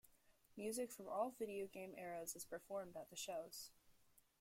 Music from all video game eras is performed at the shows.